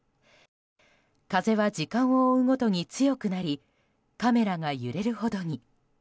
風は時間を追うごとに強くなりカメラが揺れるほどに。